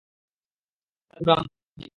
আরে সাধু রামজি।